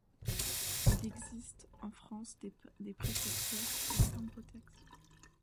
Il existe, en France, des précurseurs aux timbres-taxe.